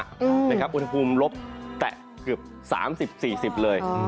อุทธิบูรณ์ลบแต่กลิ่น๓๐๔๐เลย